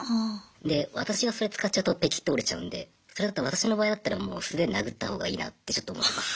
で私がそれ使っちゃうとペキッて折れちゃうんでそれだったら私の場合だったらもう素手で殴ったほうがいいなってちょっと思います